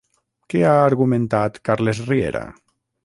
Què ha argumentat Carles Riera?